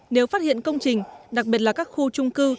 nếu phát hiện công trình đặc biệt là các khu trung cư